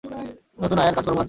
নতুন আয়ার কাজকর্ম লাগছে?